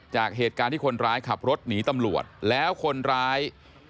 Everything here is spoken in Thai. จากเหตุการณ์ที่คนร้ายขับรถหนีตำรวจแล้วคนร้าย